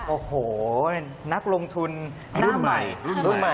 โอ้โหนักลงทุนหน้าใหม่